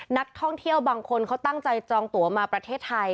นักท่องเที่ยวบางคนเขาตั้งใจจองตัวมาประเทศไทย